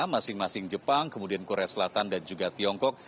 masing masing jepang kemudian korea selatan dan juga tiongkok